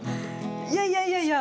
いやいや、いやいや。